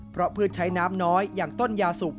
เพราะพืชใช้น้ำน้อยอย่างต้นยาสุก